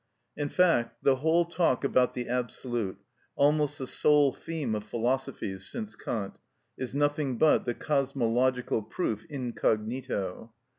In fact, the whole talk about the absolute, almost the sole theme of philosophies since Kant, is nothing but the cosmological proof incognito.